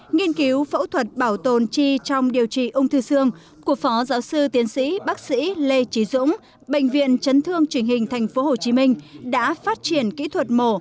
nghiên cứu phẫu thuật bảo tồn chi trong điều trị ung thư xương của phó giáo sư tiến sĩ bác sĩ lê trí dũng bệnh viện chấn thương trình hình tp hcm đã phát triển kỹ thuật mổ